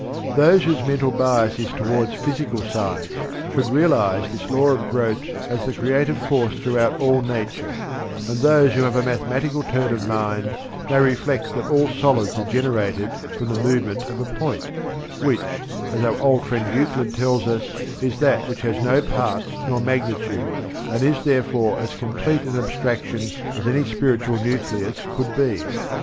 Those whose mental bias is towards physical science should realize this Law of Growth as the creative force throughout all nature; and those who have a mathematical turn of mind may reflect that all solids are generated from the movement of a point, which, as our old friend Euclid tells us, is that which has no parts nor magnitude, and is therefore as complete an abstraction as any spiritual nucleus could be.